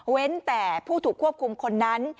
แต่ผู้ถูกควบคุมคนนั้น